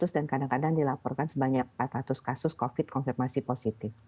dan kadang kadang dilaporkan sebanyak empat ratus kasus covid konfirmasi positif